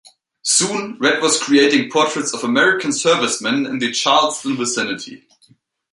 Soon, Rhett was creating portraits of American servicemen in the Charleston vicinity.